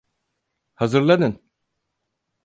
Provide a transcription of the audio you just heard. Hazırlanın.